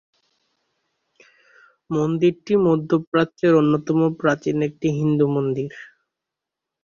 মন্দিরটি মধ্যপ্রাচ্যের অন্যতম প্রাচীন একটি হিন্দু মন্দির।